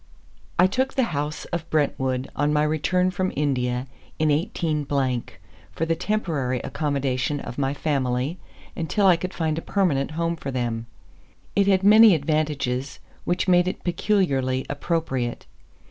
I took the house of Brentwood on my return from India in 18 , for the temporary accommodation of my family, until I could find a permanent home for them. It had many advantages which made it peculiarly appropriate.